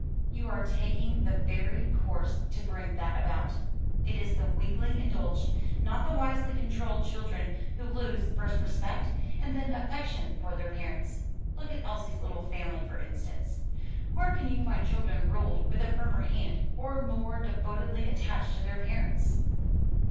"You are taking the very course to bring that about; it is the weakly indulged, not the wisely controlled, children who lose, first respect, and then affection for their parents. Look at Elsie's little family for instance; where can you find children ruled with a firmer hand, or more devotedly attached to their parents?"